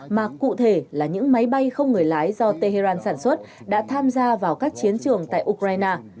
mà cụ thể là những máy bay không người lái do tehran sản xuất đã tham gia vào các chiến trường tại ukraine